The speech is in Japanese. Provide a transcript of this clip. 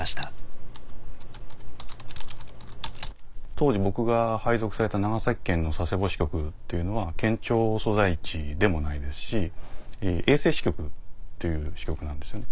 当時僕が配属された長崎県の佐世保支局っていうのは県庁所在地でもないですし衛星支局っていう支局なんですよね。